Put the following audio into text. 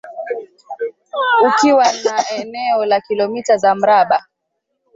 ukiwa na eneo la kilometa za mraba